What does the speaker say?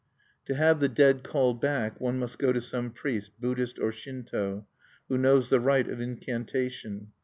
[To have the dead called back one must go to some priest Buddhist or Shinto who knows the rite of incantation.